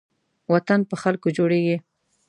وطن په خلکو جوړېږي